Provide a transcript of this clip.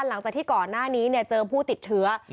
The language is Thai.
หลังจากที่ก่อนหน้านี้เนี่ยเจอผู้ติดเถื้ออืม